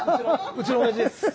うちのおやじです